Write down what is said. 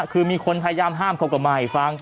คือมีคนให้ยามห้ามเขาก็ไม่